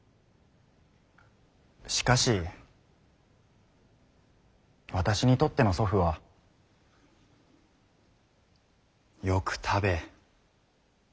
しかし私にとっての祖父はよく食べ